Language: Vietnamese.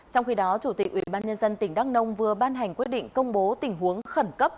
trong khi đó chủ tịch ubnd tỉnh đắk nông vừa ban hành quyết định công bố tình huống khẩn cấp